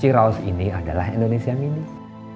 ciraos ini adalah indonesia minis